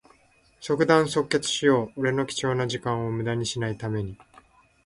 即断即決しよう。俺の貴重な時間をむだにしない為に。